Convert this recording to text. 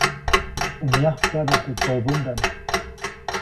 ʼU myakaʼda teʼ kobäʼndaʼm.